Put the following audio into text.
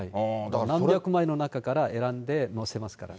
何百枚の中から選んで載せますからね。